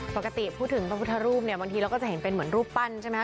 ปกติพูดถึงพระพุทธรูปเนี่ยบางทีเราก็จะเห็นเป็นเหมือนรูปปั้นใช่ไหมค